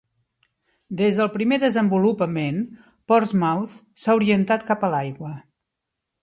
Des del primer desenvolupament, Portsmouth s'ha orientat cap a l'aigua.